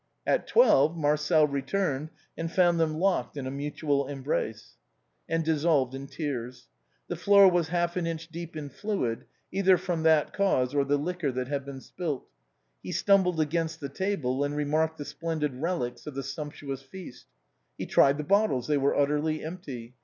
At twelve. Marcel returned, and found them locked in a mutual embrace, and dissolved in tears. The floor was half an inch deep in fluid — either from that cause or the liquor that had been spilt. He stumbled against the table, and remarked the splendid relics of the sumptuous feast. He tried the bottles; they were utterly empty.